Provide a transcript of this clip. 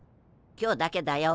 今日だけだよ。